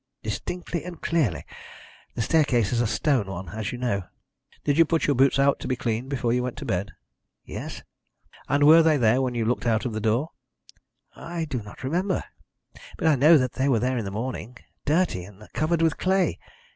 "Distinctly and clearly. The staircase is a stone one, as you know." "Did you put your boots out to be cleaned before you went to bed?" "Yes." "And were they there when you looked out of the door?" "I do not remember. But I know they were there in the morning, dirty and covered with clay.